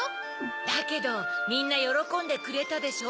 だけどみんなよろこんでくれたでしょ？